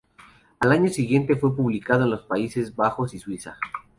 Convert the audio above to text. Al año siguiente fue publicado en los Países Bajos y Suiza.